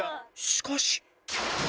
しかし